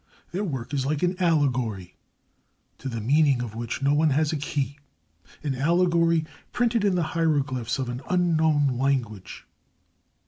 Their work is like an allegory, to the meaning of which one has no key an allegory printed in the hieroglyphs of an unknown language.